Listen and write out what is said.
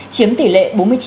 chiếm tỷ lệ bốn mươi chín bảy